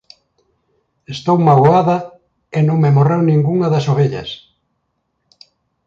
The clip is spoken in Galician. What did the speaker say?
Estou magoada e non me morreu ningunha das ovellas.